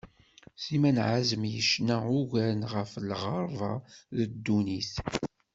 Sliman Ɛazem yecna ugar ɣef lɣerba d ddunnit.